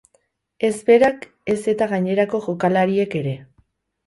Ez berak ez eta gainerako jokalariek ere.